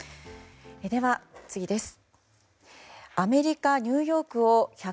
では、次です。